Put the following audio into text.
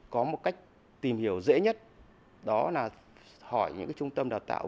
có một cách tìm hiểu dễ nhất đó là hỏi những trung tâm đào tạo